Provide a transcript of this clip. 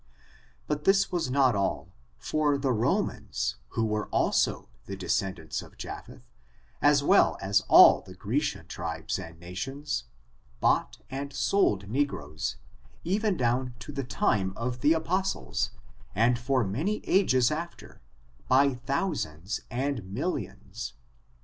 But this was not all ; for the Romans^ who were also the descendants of Japheth, as well as all the Grecian tribes and nations, bought and sold negroes, even down to the time of the apostles, and for many ages after, by thousands and millions.